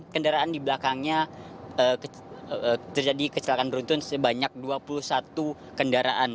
kendaraan di belakangnya terjadi kecelakaan beruntun sebanyak dua puluh satu kendaraan